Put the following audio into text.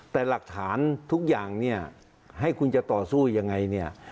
แต่หลักฐานทุกอย่างเนี่ยให้คุณจะต่อสู้ยังไงเนี่ย